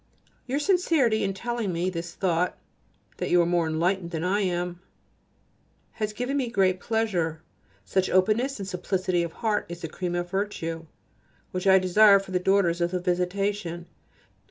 Your sincerity in telling me this thought (that you are more enlightened than I am) has given me great pleasure. Such openness and simplicity of heart is the cream of virtue, which I desire for the daughters of the Visitation.